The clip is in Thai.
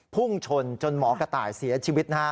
พุ่งชนจนหมอกระต่ายเสียชีวิตนะฮะ